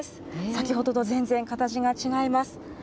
先ほどと全然形が違います。